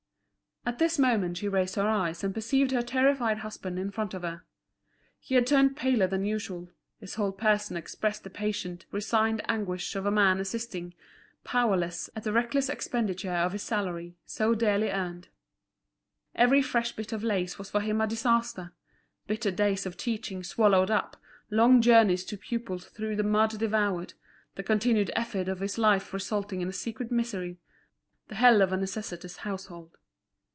At this moment she raised her eyes and perceived her terrified husband in front of her. He had turned paler than usual, his whole person expressed the patient, resigned anguish of a man assisting, powerless, at the reckless expenditure of his salary, so dearly earned. Every fresh bit of lace was for him a disaster; bitter days of teaching swallowed up, long journeys to pupils through the mud devoured, the continued effort of his life resulting in a secret misery, the hell of a necessitous household.